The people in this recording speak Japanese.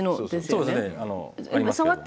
そうですね。ありますけど。